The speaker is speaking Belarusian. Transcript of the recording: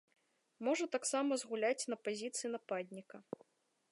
Можа таксама згуляць на пазіцыі нападніка.